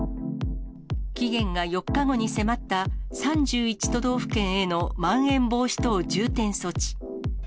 期限が４日後に迫った３１都道府県へのまん延防止等重点措置。